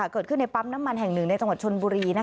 เกิดขึ้นในปั๊มน้ำมันแห่งหนึ่งในจังหวัดชนบุรี